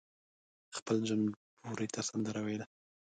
خپل جمبوري ته سندره ویله.